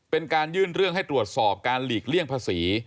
เป็นการยื่นเรื่องให้ตรวจสอบการหลีกเลี่ยงภาษี